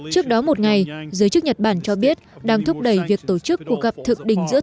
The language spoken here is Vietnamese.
trước đó một ngày giới chức nhật bản cho biết đang thúc đẩy việc tổ chức cuộc gặp thượng đỉnh giữa